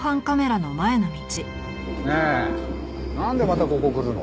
ねえなんでまたここ来るの？